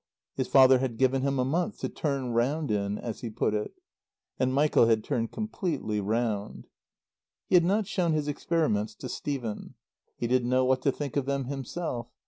His father had given him a month to "turn round in," as he put it. And Michael had turned completely round. He had not shown his experiments to Stephen. He didn't know what to think of them himself.